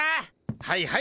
はいはい。